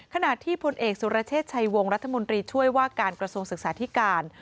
ขณะที่พลเอกสุรเชษฐ์ชัยวงรัฐมนตรีช่วยว่าการกระทรวงศึกษาธิการ